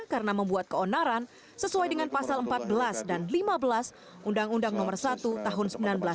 karena membuat keonaran sesuai dengan pasal empat belas dan lima belas undang undang nomor satu tahun seribu sembilan ratus empat puluh enam